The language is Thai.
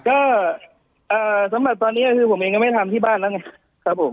ก็สำหรับตอนนี้ก็คือผมเองก็ไม่ทำที่บ้านแล้วไงครับผม